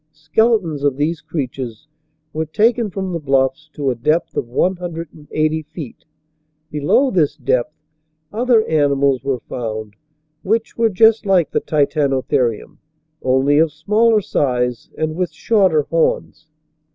Skeletons of these crea tures were taken from the bluffs to a depth of one hundred and eighty feet. Below this depth, other animals were found which were just like the Titano therium, only of smaller size and with shorter horns.